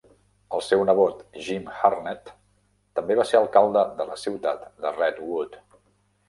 El seu nebot Jim Harnett també va ser alcalde de la ciutat de Redwood.